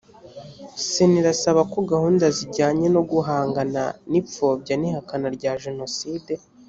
sena irasaba ko gahunda zijyanye no guhangana n ipfobya n ihakana rya jenoside